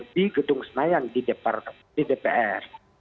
di gedung senayan di dpr